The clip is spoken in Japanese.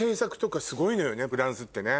フランスってね。